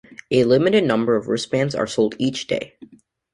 A limited number of wrist bands are sold each day.